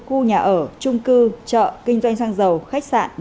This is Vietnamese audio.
khu nhà ở trung cư chợ kinh doanh sang giàu khách sạn nhà hàng